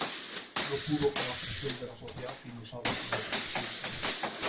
No pudo con la presión de la sociedad y nos ha dejado para siempre.